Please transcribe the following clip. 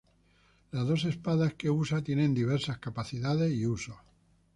Las dos espadas que usa tienen diversas capacidades y usos.